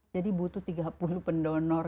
jadi butuh tiga puluh pendonor